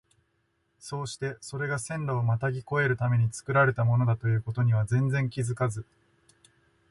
そうしてそれが線路をまたぎ越えるために造られたものだという事には全然気づかず、